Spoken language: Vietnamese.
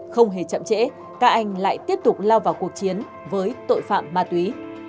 không hề chậm trễ các anh lại tiếp tục lao vào cuộc chiến với tội phạm ma túy